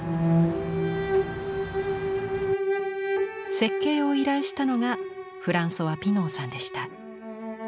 設計を依頼したのがフランソワ・ピノーさんでした。